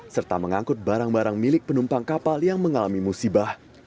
serta mengangkut barang barang milik penumpang kapal yang mengalami musibah